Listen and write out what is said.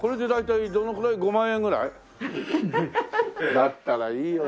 だったらいいよね。